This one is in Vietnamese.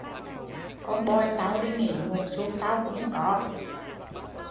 Con bòi tau đây nì, một xu tau cũng không có